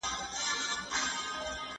هغه په کار کولو بوخت دی.